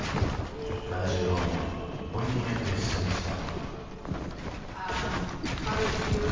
唐十郎も本人役で出演した。